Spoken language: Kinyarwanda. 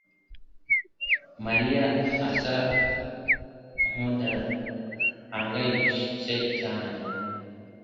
mariya asa nkudahangayitse cyane